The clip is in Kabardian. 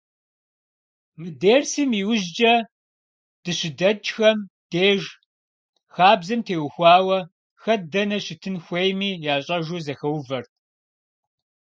Мы дерсым иужькӏэ, дыщыдэкӏхэм деж, хабзэм теухуауэ, хэт дэнэ щытын хуейми ящӏэжу зэхэувэрт.